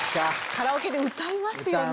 カラオケで歌いますよね。